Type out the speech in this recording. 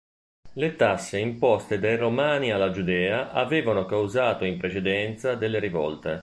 Le tasse imposte dai Romani alla Giudea avevano causato in precedenza delle rivolte.